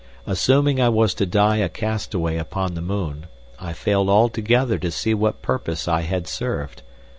Assuming I was to die a castaway upon the moon, I failed altogether to see what purpose I had served.